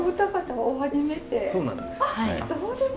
そうなんです。